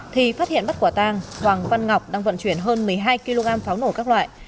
thì phát hiện bắt quả tang hoàng văn ngọc đang vận chuyển hơn một mươi hai kg pháo nổ các loại